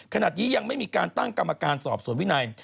ขณะนี้ยังไม่มีการตั้งกรรมการสอบสวนวินัย